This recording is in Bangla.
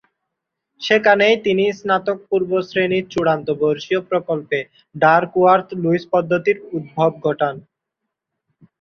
সেখানেই তিনি স্নাতক-পূর্ব শ্রেণীর চূড়ান্ত-বর্ষীয় প্রকল্পে "ডাকওয়ার্থ-লুইস পদ্ধতির" উদ্ভব ঘটান।